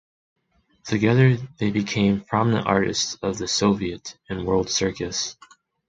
Together they became prominent artists of the Soviet and world circus.